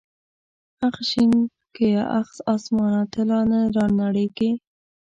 اخ شنکيه اخ اسمانه ته لا نه رانړېږې.